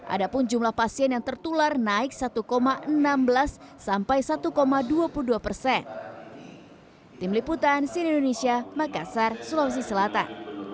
ada pun jumlah pasien yang tertular naik satu enam belas sampai satu dua puluh dua persen